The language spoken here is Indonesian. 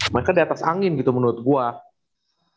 mereka diatas angin gitu menurut gue